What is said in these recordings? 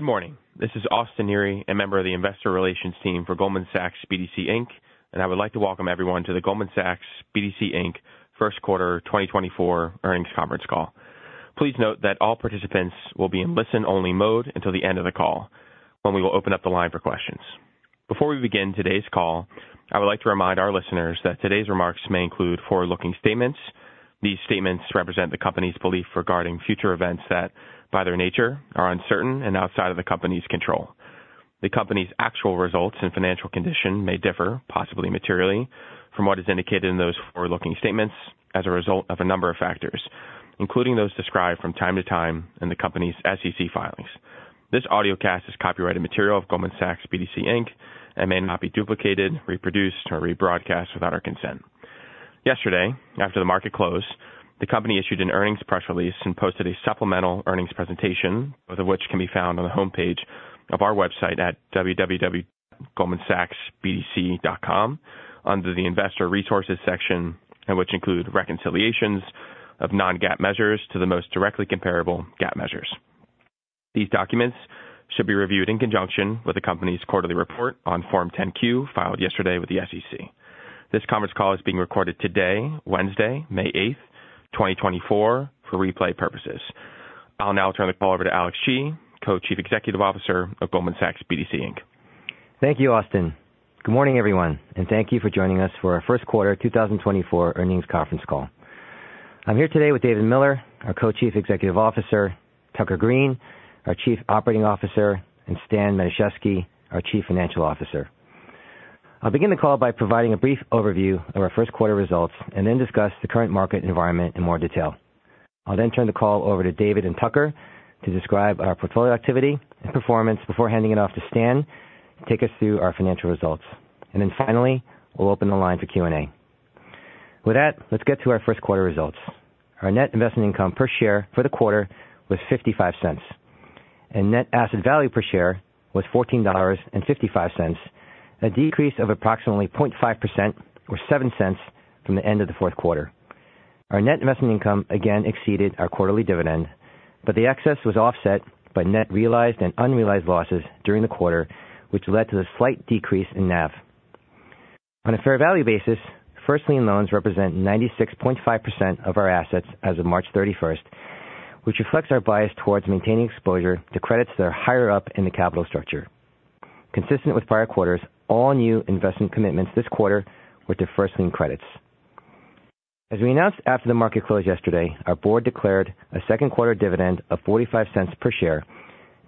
Good morning. This is Austin Neri, a member of the investor relations team for Goldman Sachs BDC Inc., and I would like to welcome everyone to the Goldman Sachs BDC Inc. First Quarter 2024 Earnings Conference Call. Please note that all participants will be in listen-only mode until the end of the call when we will open up the line for questions. Before we begin today's call, I would like to remind our listeners that today's remarks may include forward-looking statements. These statements represent the company's belief regarding future events that, by their nature, are uncertain and outside of the company's control. The company's actual results and financial condition may differ, possibly materially, from what is indicated in those forward-looking statements as a result of a number of factors, including those described from time to time in the company's SEC filings. This audiocast is copyrighted material of Goldman Sachs BDC Inc. and may not be duplicated, reproduced, or rebroadcast without our consent. Yesterday, after the market closed, the company issued an earnings press release and posted a supplemental earnings presentation, both of which can be found on the homepage of our website at www.goldmansachsbdc.com under the investor resources section, which include reconciliations of non-GAAP measures to the most directly comparable GAAP measures. These documents should be reviewed in conjunction with the company's quarterly report on Form 10-Q filed yesterday with the SEC. This conference call is being recorded today, Wednesday, May 8th, 2024, for replay purposes. I'll now turn the call over to Alex Chi, Co-Chief Executive Officer of Goldman Sachs BDC Inc. Thank you, Austin. Good morning, everyone, and thank you for joining us for our first quarter 2024 earnings conference call. I'm here today with David Miller, our Co-Chief Executive Officer, Tucker Greene, our Chief Operating Officer, and Stan Matuszewski, our Chief Financial Officer. I'll begin the call by providing a brief overview of our first quarter results and then discuss the current market environment in more detail. I'll then turn the call over to David and Tucker to describe our portfolio activity and performance before handing it off to Stan to take us through our financial results. Then finally, we'll open the line for Q&A. With that, let's get to our first quarter results. Our net investment income per share for the quarter was $0.55, and net asset value per share was $14.55, a decrease of approximately 0.5% or $0.07 from the end of the fourth quarter. Our net investment income again exceeded our quarterly dividend, but the excess was offset by net realized and unrealized losses during the quarter, which led to a slight decrease in NAV. On a fair value basis, first lien loans represent 96.5% of our assets as of March 31st, which reflects our bias towards maintaining exposure to credits that are higher up in the capital structure. Consistent with prior quarters, all new investment commitments this quarter were to first lien credits. As we announced after the market closed yesterday, our board declared a second quarter dividend of $0.45 per share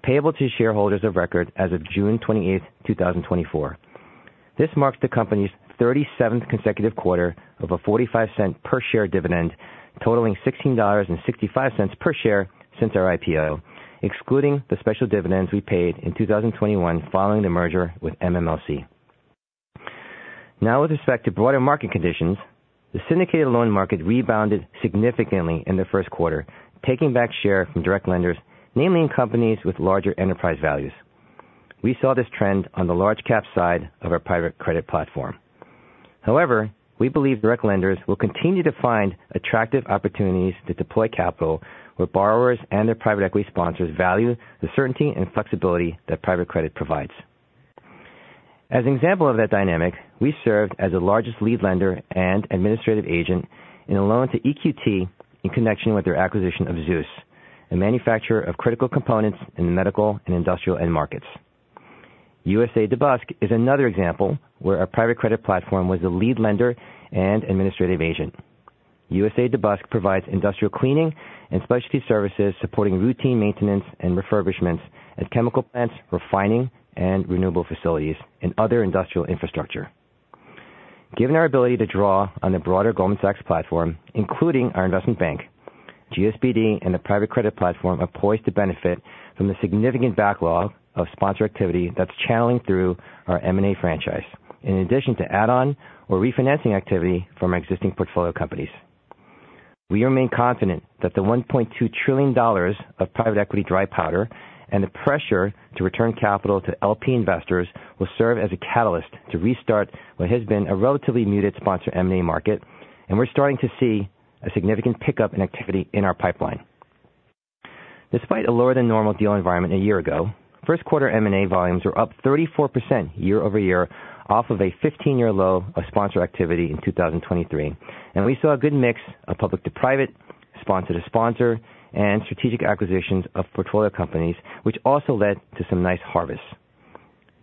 payable to shareholders of record as of June 28th, 2024. This marks the company's 37th consecutive quarter of a $0.45 per share dividend totaling $16.65 per share since our IPO, excluding the special dividends we paid in 2021 following the merger with MMLC. Now, with respect to broader market conditions, the syndicated loan market rebounded significantly in the first quarter, taking back share from direct lenders, namely in companies with larger enterprise values. We saw this trend on the large-cap side of our private credit platform. However, we believe direct lenders will continue to find attractive opportunities to deploy capital where borrowers and their private equity sponsors value the certainty and flexibility that private credit provides. As an example of that dynamic, we served as the largest lead lender and administrative agent in a loan to EQT in connection with their acquisition of Zeus, a manufacturer of critical components in the medical, industrial end markets. USA DeBusk is another example where our private credit platform was the lead lender and administrative agent. USA DeBusk provides industrial cleaning and specialty services supporting routine maintenance and refurbishments at chemical plants, refining, and renewable facilities in other industrial infrastructure. Given our ability to draw on the broader Goldman Sachs platform, including our investment bank, GSBD, and the private credit platform are poised to benefit from the significant backlog of sponsor activity that's channeling through our M&A franchise, in addition to add-on or refinancing activity from our existing portfolio companies. We remain confident that the $1.2 trillion of private equity dry powder and the pressure to return capital to LP investors will serve as a catalyst to restart what has been a relatively muted sponsor M&A market, and we're starting to see a significant pickup in activity in our pipeline. Despite a lower-than-normal deal environment a year ago, first quarter M&A volumes were up 34% year-over-year off of a 15-year low of sponsor activity in 2023, and we saw a good mix of public-to-private, sponsor-to-sponsor, and strategic acquisitions of portfolio companies, which also led to some nice harvests.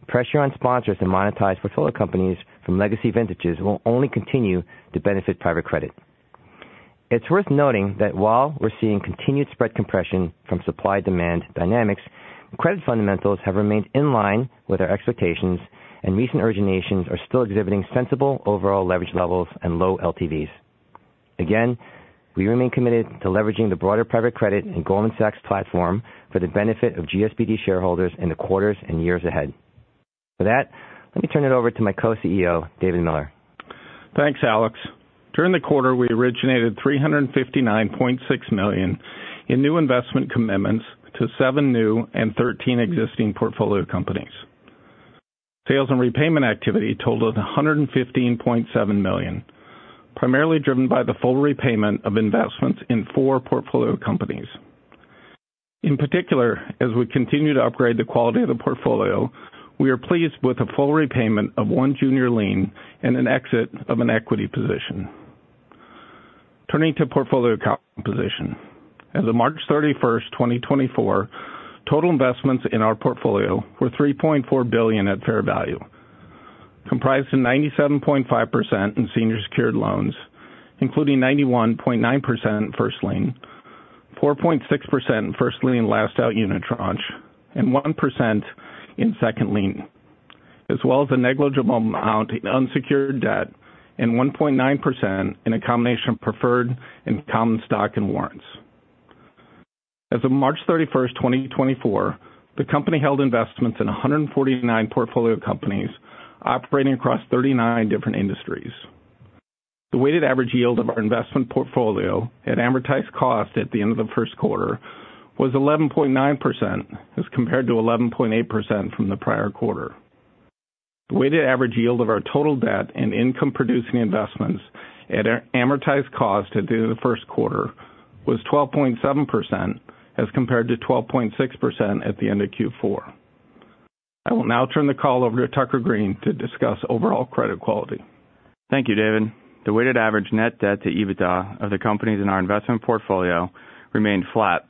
Pressure on sponsors to monetize portfolio companies from legacy vintages will only continue to benefit private credit. It's worth noting that while we're seeing continued spread compression from supply-demand dynamics, credit fundamentals have remained in line with our expectations, and recent originations are still exhibiting sensible overall leverage levels and low LTVs. Again, we remain committed to leveraging the broader private credit and Goldman Sachs platform for the benefit of GSBD shareholders in the quarters and years ahead. With that, let me turn it over to my co-CEO, David Miller. Thanks, Alex. During the quarter, we originated $359.6 million in new investment commitments to seven new and 13 existing portfolio companies. Sales and repayment activity totaled $115.7 million, primarily driven by the full repayment of investments in four portfolio companies. In particular, as we continue to upgrade the quality of the portfolio, we are pleased with a full repayment of one junior lien and an exit of an equity position. Turning to portfolio composition. As of March 31st, 2024, total investments in our portfolio were $3.4 billion at fair value, comprised of 97.5% in senior-secured loans, including 91.9% in first lien, 4.6% in first lien last-out unitranche, and 1% in second lien, as well as a negligible amount in unsecured debt and 1.9% in a combination of preferred and common stock and warrants. As of March 31st, 2024, the company held investments in 149 portfolio companies operating across 39 different industries. The weighted average yield of our investment portfolio at amortized cost at the end of the first quarter was 11.9% as compared to 11.8% from the prior quarter. The weighted average yield of our total debt and income-producing investments at amortized cost at the end of the first quarter was 12.7% as compared to 12.6% at the end of Q4. I will now turn the call over to Tucker Greene to discuss overall credit quality. Thank you, David. The weighted average net debt to EBITDA of the companies in our investment portfolio remained flat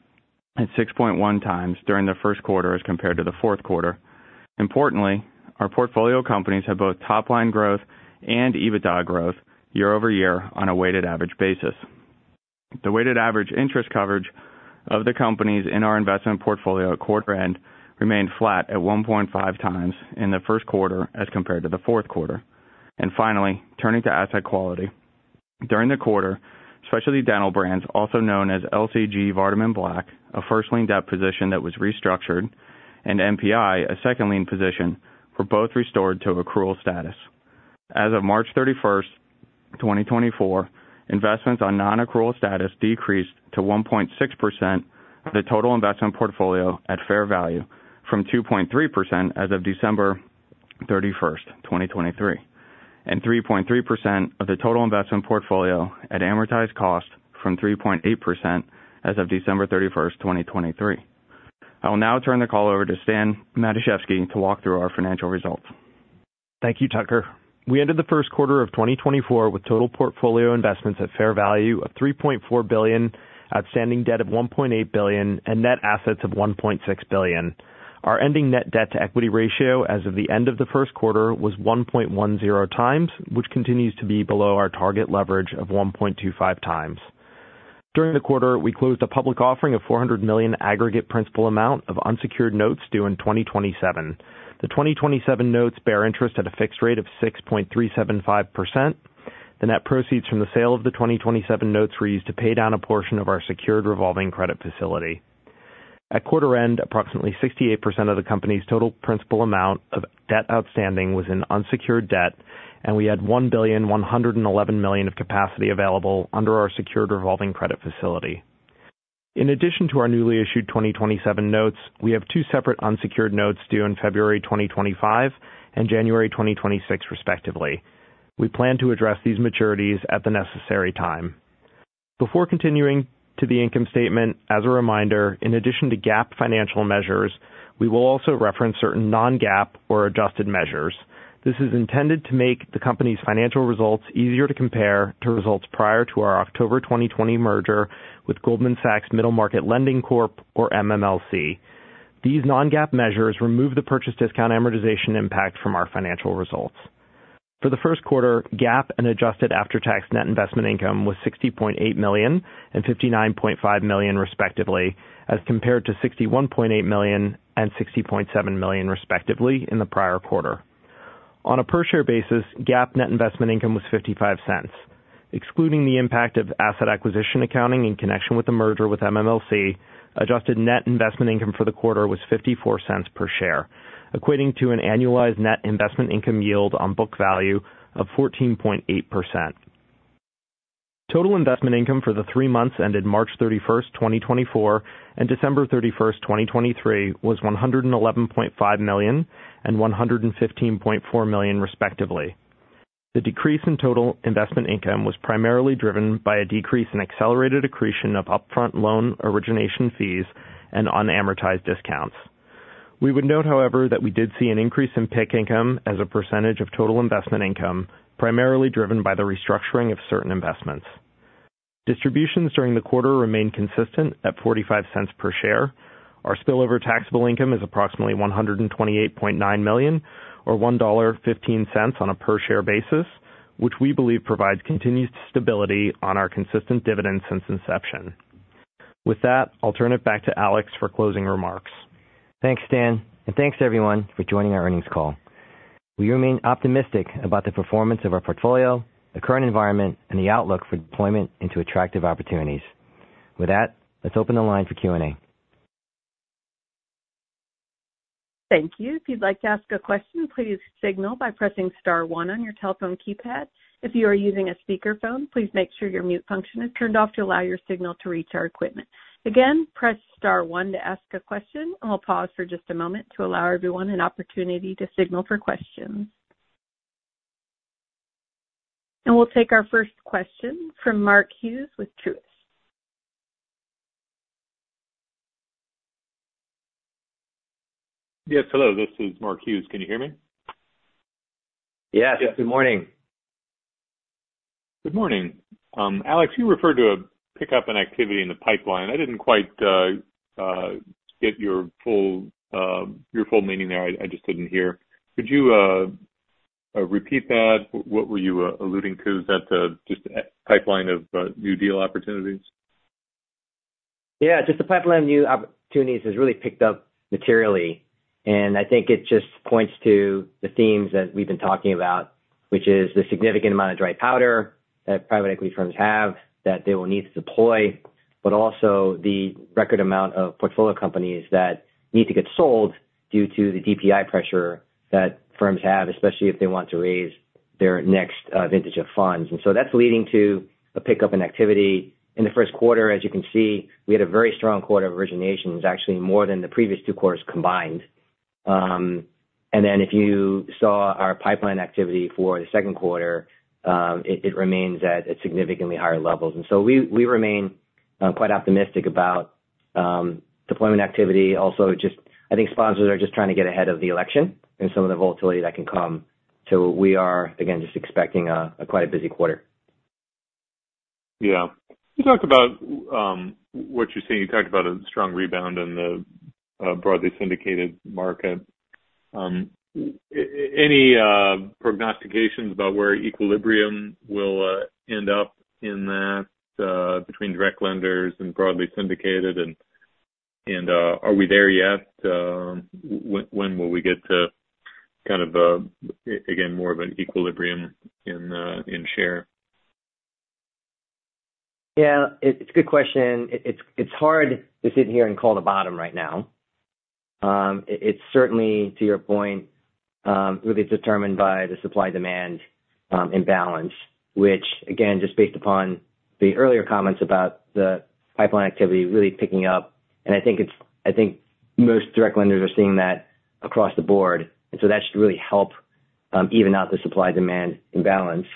at 6.1x during the first quarter as compared to the fourth quarter. Importantly, our portfolio companies have both top-line growth and EBITDA growth year over year on a weighted average basis. The weighted average interest coverage of the companies in our investment portfolio at quarter end remained flat at 1.5x in the first quarter as compared to the fourth quarter. And finally, turning to asset quality. During the quarter, Specialty Dental Brands, also known as LCG Vardiman Black, a first lien debt position that was restructured, and NPI, a second lien position, were both restored to accrual status. As of March 31st, 2024, investments on non-accrual status decreased to 1.6% of the total investment portfolio at fair value from 2.3% as of December 31st, 2023, and 3.3% of the total investment portfolio at amortized cost from 3.8% as of December 31st, 2023. I will now turn the call over to Stan Matuszewski to walk through our financial results. Thank you, Tucker. We ended the first quarter of 2024 with total portfolio investments at fair value of $3.4 billion, outstanding debt of $1.8 billion, and net assets of $1.6 billion. Our ending net debt-to-equity ratio as of the end of the first quarter was 1.10x, which continues to be below our target leverage of 1.25x. During the quarter, we closed a public offering of $400 million aggregate principal amount of unsecured notes due in 2027. The 2027 notes bear interest at a fixed rate of 6.375%. The net proceeds from the sale of the 2027 notes were used to pay down a portion of our secured revolving credit facility. At quarter end, approximately 68% of the company's total principal amount of debt outstanding was in unsecured debt, and we had $1.111 billion of capacity available under our secured revolving credit facility. In addition to our newly issued 2027 notes, we have two separate unsecured notes due in February 2025 and January 2026, respectively. We plan to address these maturities at the necessary time. Before continuing to the income statement, as a reminder, in addition to GAAP financial measures, we will also reference certain non-GAAP or adjusted measures. This is intended to make the company's financial results easier to compare to results prior to our October 2020 merger with Goldman Sachs Middle Market Lending Corp, or MMLC. These non-GAAP measures remove the purchase discount amortization impact from our financial results. For the first quarter, GAAP and adjusted after-tax net investment income was $60.8 million and $59.5 million, respectively, as compared to $61.8 million and $60.7 million, respectively, in the prior quarter. On a per-share basis, GAAP net investment income was $0.55. Excluding the impact of asset acquisition accounting in connection with the merger with MMLC, adjusted net investment income for the quarter was $0.54 per share, equating to an annualized net investment income yield on book value of 14.8%. Total investment income for the three months ended March 31st, 2024, and December 31st, 2023, was $111.5 million and $115.4 million, respectively. The decrease in total investment income was primarily driven by a decrease in accelerated accretion of upfront loan origination fees and unamortized discounts. We would note, however, that we did see an increase in PIK income as a percentage of total investment income, primarily driven by the restructuring of certain investments. Distributions during the quarter remained consistent at $0.45 per share. Our spillover taxable income is approximately $128.9 million, or $1.15 on a per-share basis, which we believe provides continued stability on our consistent dividend since inception. With that, I'll turn it back to Alex for closing remarks. Thanks, Stan, and thanks, everyone, for joining our earnings call. We remain optimistic about the performance of our portfolio, the current environment, and the outlook for deployment into attractive opportunities. With that, let's open the line for Q&A. Thank you. If you'd like to ask a question, please signal by pressing star one on your telephone keypad. If you are using a speakerphone, please make sure your mute function is turned off to allow your signal to reach our equipment. Again, press star one to ask a question, and we'll pause for just a moment to allow everyone an opportunity to signal for questions. We'll take our first question from Mark Hughes with Truist. Yes, hello. This is Mark Hughes. Can you hear me? Yes. Good morning. Good morning. Alex, you referred to a pickup and activity in the pipeline. I didn't quite get your full meaning there. I just didn't hear. Could you repeat that? What were you alluding to? Is that just a pipeline of new deal opportunities? Yeah. Just the pipeline of new opportunities has really picked up materially, and I think it just points to the themes that we've been talking about, which is the significant amount of dry powder that private equity firms have that they will need to deploy, but also the record amount of portfolio companies that need to get sold due to the DPI pressure that firms have, especially if they want to raise their next vintage of funds. And so that's leading to a pickup in activity. In the first quarter, as you can see, we had a very strong quarter of originations, actually more than the previous two quarters combined. And then if you saw our pipeline activity for the second quarter, it remains at significantly higher levels. And so we remain quite optimistic about deployment activity. Also, I think sponsors are just trying to get ahead of the election and some of the volatility that can come. So we are, again, just expecting quite a busy quarter. Yeah. You talked about what you're saying. You talked about a strong rebound in the broadly syndicated market. Any prognostications about where equilibrium will end up in that between direct lenders and broadly syndicated, and are we there yet? When will we get to kind of, again, more of an equilibrium in share? Yeah. It's a good question. It's hard to sit here and call the bottom right now. It's certainly, to your point, really determined by the supply-demand imbalance, which, again, just based upon the earlier comments about the pipeline activity really picking up. I think most direct lenders are seeing that across the board, and so that should really help even out the supply-demand imbalance.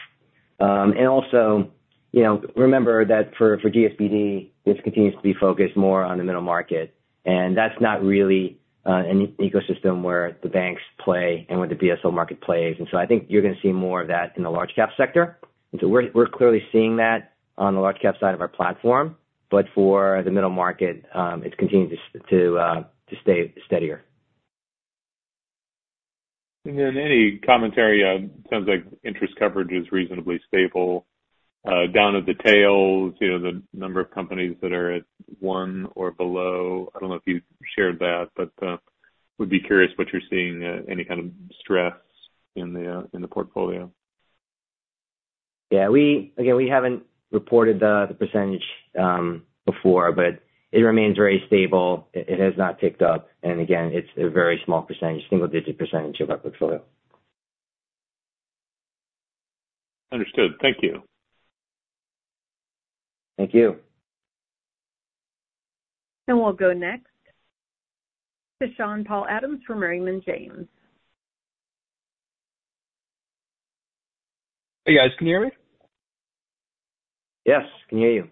Also, remember that for GSBD, this continues to be focused more on the middle market, and that's not really an ecosystem where the banks play and where the BSL market plays. I think you're going to see more of that in the large-cap sector. We're clearly seeing that on the large-cap side of our platform, but for the middle market, it continues to stay steadier. Then any commentary? It sounds like interest coverage is reasonably stable. Down at the tails, the number of companies that are at one or below, I don't know if you shared that, but would be curious what you're seeing, any kind of stress in the portfolio. Yeah. Again, we haven't reported the percentage before, but it remains very stable. It has not ticked up, and again, it's a very small percentage, single-digit percentage of our portfolio. Understood. Thank you. Thank you. We'll go next to Sean-Paul Adams from Raymond James. Hey, guys. Can you hear me? Yes. Can you hear you?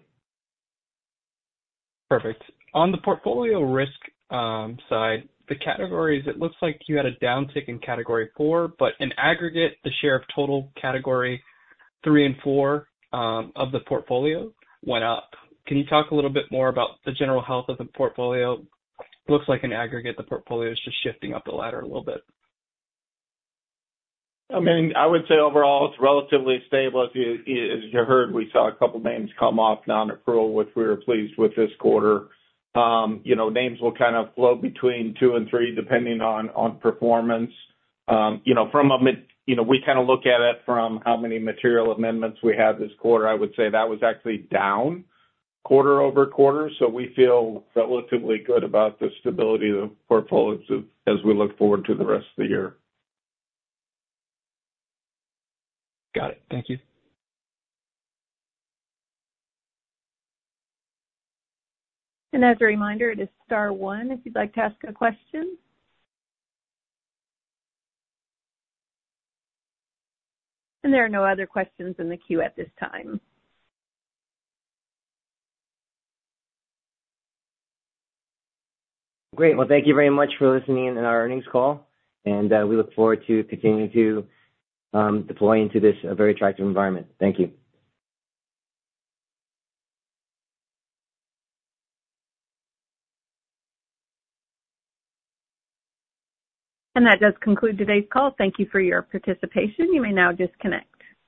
Perfect. On the portfolio risk side, the categories, it looks like you had a downtick in category four, but in aggregate, the share of total category three and four of the portfolio went up. Can you talk a little bit more about the general health of the portfolio? It looks like in aggregate, the portfolio is just shifting up the ladder a little bit. I mean, I would say overall, it's relatively stable. As you heard, we saw a couple of names come off non-accrual, which we were pleased with this quarter. Names will kind of float between two and three depending on performance. From a we kind of look at it from how many material amendments we had this quarter. I would say that was actually down quarter-over-quarter, so we feel relatively good about the stability of the portfolios as we look forward to the rest of the year. Got it. Thank you. As a reminder, it is star 1 if you'd like to ask a question. There are no other questions in the queue at this time. Great. Well, thank you very much for listening in on our earnings call, and we look forward to continuing to deploy into this very attractive environment. Thank you. That does conclude today's call. Thank you for your participation. You may now disconnect.